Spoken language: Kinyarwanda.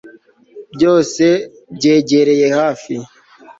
byose byegereye hafi